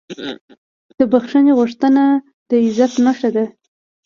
د بښنې غوښتنه د عزت نښه ده.